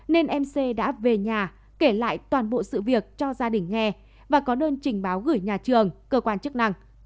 nên mc đã về nhà kể lại toàn bộ sự việc cho gia đình nghe và có đơn trình báo gửi nhà trường cơ quan chức năng